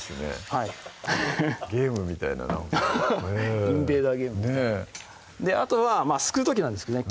はいゲームみたいなインベーダーゲームみたいなあとはすくう時なんですけどね